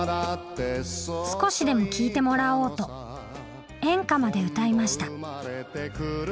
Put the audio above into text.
少しでも聴いてもらおうと演歌まで歌いました。